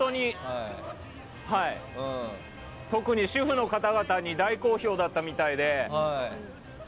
特に主婦の方々に大好評だったみたいで。